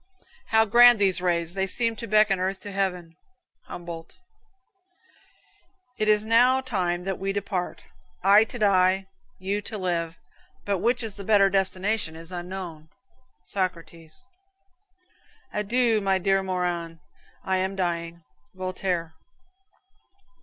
"How grand these rays. They seem to beckon earth to heaven." Humboldt. "It is now time that we depart I to die, you to live: but which is the better destination is unknown." Socrates. "Adieu, my dear Morand, I am dying." Voltaire.